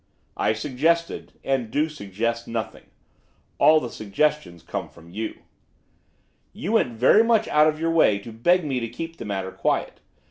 'I suggested, and do suggest, nothing. All the suggestions come from you.' 'You went very much out of your way to beg me to keep the matter quiet.